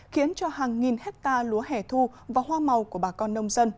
khiến cho hàng nghìn hectare lúa hẻ thu và hoa màu của bà con nông dân